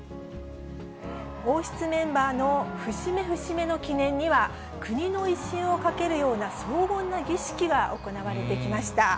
王室メンバーの節目節目の記念には、国の威信をかけるような荘厳な儀式が行われてきました。